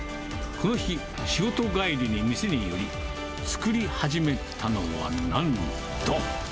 この日、仕事帰りに店に寄り、作り始めたのはなんと。